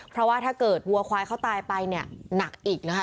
เพราะว่าถ้าเกิดวัวควายเขาตายไปเนี่ยหนักอีกนะคะ